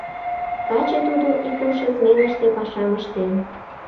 Таче тудо икымше сменыште пашам ыштен.